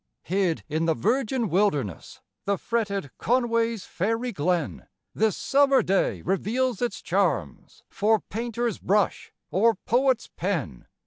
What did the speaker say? Hid in the virgin wilderness, The fretted Conway's Fairy Glen This summer day reveals its charms For painter's brush or poet's pen.